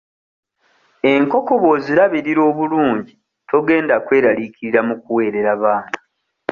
Enkoko bw'ozirabirira obulungi togenda kweralikirira mu kuweerera abaana.